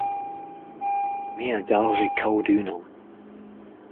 Me a garje kaout unan.